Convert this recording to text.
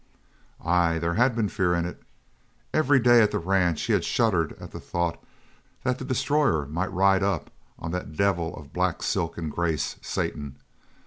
Ay, there had been fear in it. Every day at the ranch he had shuddered at the thought that the destroyer might ride up on that devil of black silken grace, Satan.